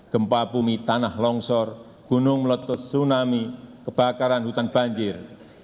gempa bumi tanah longsor gunung meletus tsunami kebakaran hutan banjir